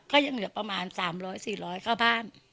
ก็ยังเหลือประมาณ๓๐๐๔๐๐เข้าบ้าน